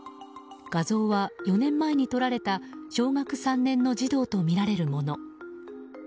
画像は４年前に撮られた小学３年の児童とみられるもの。